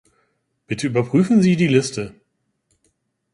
Bitte überprüfen Sie die Liste.